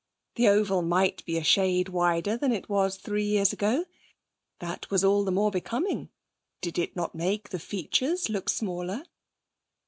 The oval might be a shade wider than it was three years ago; that was all the more becoming; did it not make the features look smaller?